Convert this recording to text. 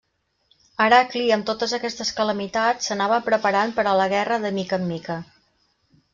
Heracli amb totes aquestes calamitats s'anava preparant per a la guerra de mica en mica.